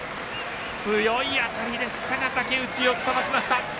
強い当たりでしたが竹内、よくさばきました。